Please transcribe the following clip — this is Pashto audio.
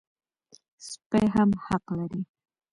سپي هم حق لري.